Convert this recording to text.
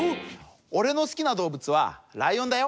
おれのすきなどうぶつはライオンだよ。